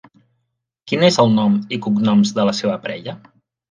Quin és el nom i cognoms de la seva parella?